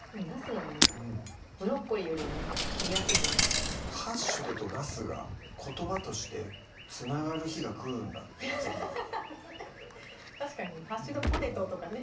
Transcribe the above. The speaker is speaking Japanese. なんでブロッコリーよりはね切りやすいと思います「ハッシュド」と「なす」が言葉としてつながる日が来るんだっていう確かにねハッシュドポテトとかね